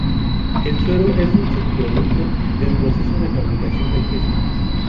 El suero es un subproducto del proceso de fabricación del queso.